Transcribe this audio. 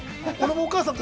◆お母さんと？